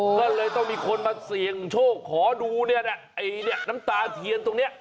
ก็เลยต้องมีคนมาเสี่ยงโชคขอดูน้ำตาเทียนตรงนี้